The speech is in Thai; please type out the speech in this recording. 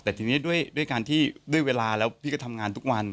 แต่ทีนี้ด้วยเวลาแล้วพี่ก็ทำงานทุกวัน